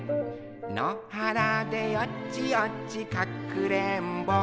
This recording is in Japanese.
のはらでよちよちかくれんぼ」